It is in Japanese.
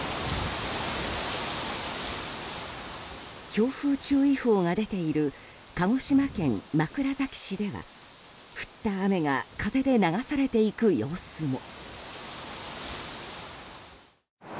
強風注意報が出ている鹿児島県枕崎市では降った雨が風で流されていく様子も。